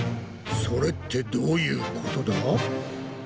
それってどういうことだ？